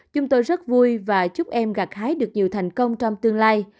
chúng tôi rất vui và chúc em gạt hái được nhiều thành công trong tương lai